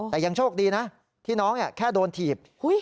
แต่ยังโชคดีนะที่น้องแค่โดนถีบ